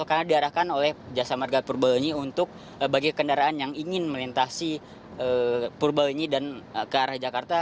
karena diarahkan oleh jasa marga purwakarta untuk bagi kendaraan yang ingin melintasi purwakarta dan ke arah jakarta